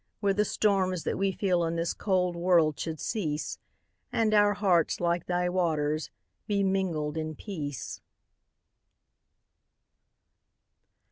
Where the storms that we feel in this cold world should cease, And our hearts, like thy waters, be mingled in peace.